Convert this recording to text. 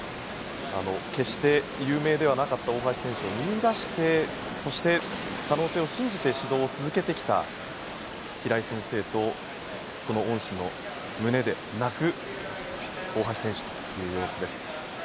決して有名ではなかった大橋選手を見いだしてそして可能性を信じて指導を続けてきた平井先生と、その恩師の胸で泣く大橋選手という様子です。